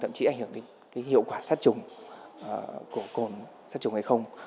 thậm chí ảnh hưởng đến hiệu quả sát trùng của cồn sát trùng hay không